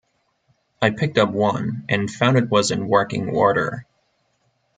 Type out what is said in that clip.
I picked up one, and found it was in working order.